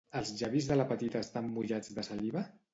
Els llavis de la petita estan mullats de saliva?